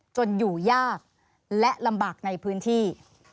จนอยู่ยากและลำบากในพื้นที่